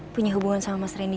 punya hubungan sama mas rendy